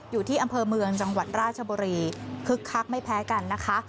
อยู่ที่อำเภอเมืองจังหวัดราชบุรีคึกคักไม่แพ้กันนะคะ